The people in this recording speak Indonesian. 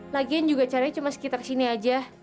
lagian juga carinya cuma sekitar sini aja